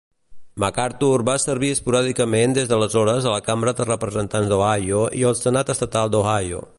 McArthur va servir esporàdicament des d'aleshores a la Cambra de representants d'Ohio i el Senat estatal d'Ohio.